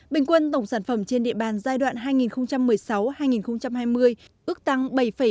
bình quân tổng sản phẩm trên địa bàn giai đoạn hai nghìn một mươi sáu hai nghìn hai mươi ước tăng bảy ba mươi